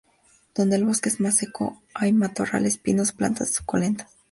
Donde el bosque es más seco hay matorral espino y plantas suculentas.